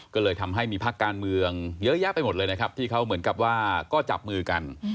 ก็เลยทำให้มีพักการเมืองเยอะแยะไปหมดเลยนะครับที่เขาเหมือนกับว่าก็จับมือกัน